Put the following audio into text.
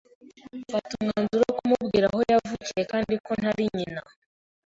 mfata umwanzuro wo kumubwira aho yavuye kandi ko ntari nyina,